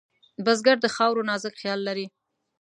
بزګر د خاورو نازک خیال لري